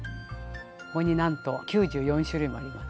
ここになんと９４種類もあります。